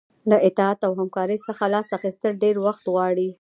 له اطاعت او همکارۍ څخه لاس اخیستل ډیر وخت غواړي.